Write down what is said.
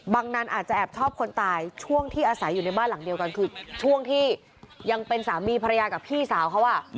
นั้นอาจจะแอบชอบคนตายช่วงที่อาศัยอยู่ในบ้านหลังเดียวกันคือช่วงที่ยังเป็นสามีภรรยากับพี่สาวเขา